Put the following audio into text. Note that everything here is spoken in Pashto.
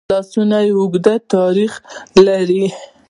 لاسونه اوږد تاریخ لري